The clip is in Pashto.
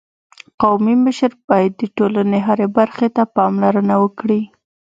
قومي مشر باید د ټولني هري برخي ته پاملرنه وکړي.